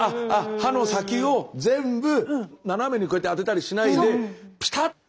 刃の先を全部斜めにこうやって当てたりしないでピタッと。